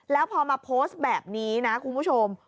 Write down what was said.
แล้วพอมาโพสต์แบบนี้นะคุณผู้ชม